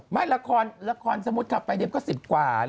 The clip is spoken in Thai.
ไม่ละครละครสมมุติขับไปเดี๋ยวก็๑๐กว่า